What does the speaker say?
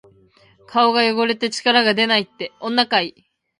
顔が汚れて力がでないって、女かい！